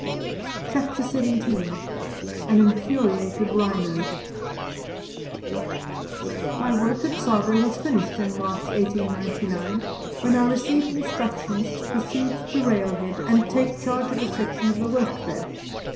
CHAPTER XVII AN INFURIATED RHINO My work at Tsavo was finished in March, 1899, when I received instructions to proceed to railhead and take charge of a section of the work there.